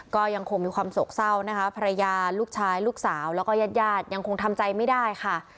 ก็ยังคงมีความโศกเศร้านะคะภรรยาลูกชายลูกสาวแล้วก็ญาติญาติยังคงทำใจไม่ได้ค่ะ